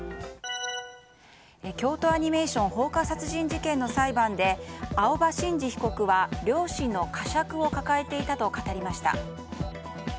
京都アニメーション放火殺人事件の裁判で青葉真司被告は、良心の呵責を抱えていたと語りました。